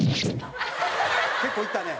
結構いったね。